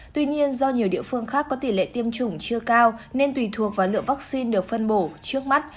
tuy nhiên do nhiều địa phương khác có tỷ lệ tiêm chủng chưa cao nên tùy thuộc vào lượng vaccine được phân bổ trước mắt